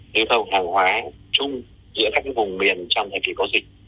lưu thông hàng hóa chung giữa các cái vùng biển trong thời kỳ có dịch